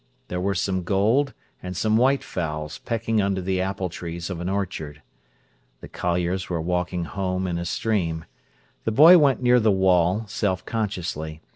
There were some gold and some white fowls pecking under the apple trees of an orchard. The colliers were walking home in a stream. The boy went near the wall, self consciously.